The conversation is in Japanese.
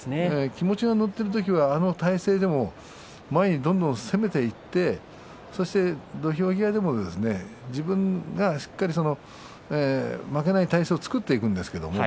気持ちが乗っている時はあの体勢でも前にどんどん攻めていってそして、土俵際でも自分がしっかり負けない体勢を作っていくんです。